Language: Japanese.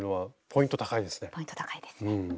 ポイント高いですね。